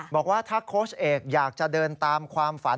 บอกว่าถ้าโค้ชเอกอยากจะเดินตามความฝัน